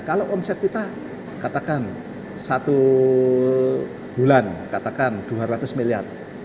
kalau omset kita katakan satu bulan katakan dua ratus miliar